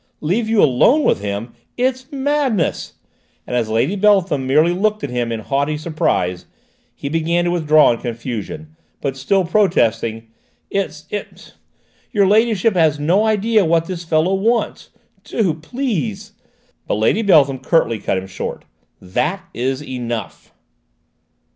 "Leave you alone with him? It's madness!" and as Lady Beltham merely looked at him in haughty surprise, he began to withdraw in confusion, but still protesting. "It's it's Your ladyship has no idea what this fellow wants: do please " But Lady Beltham curtly cut him short. "That is enough!"